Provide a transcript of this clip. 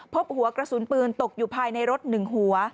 พบหัวกระสุนปืนตกอยู่ภายในรถ๑หัว